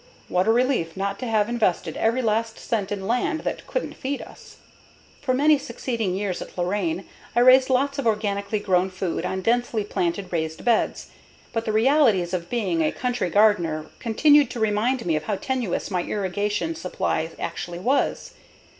What a relief not to have invested every last cent in land that couldn't feed us. For many succeeding years at Lorane, I raised lots of organically grown food on densely planted raised beds, but the realities of being a country gardener continued to remind me of how tenuous my irrigation supply actually was.